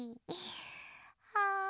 はあ。